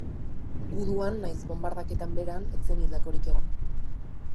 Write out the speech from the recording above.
Guduan nahiz bonbardaketan beran ez zen hildakorik egon.